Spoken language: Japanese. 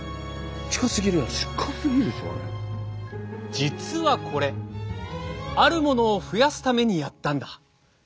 実はこれあるものを増やすためにやったんだ。